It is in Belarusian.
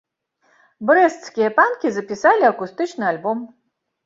Брэсцкія панкі запісалі акустычны альбом.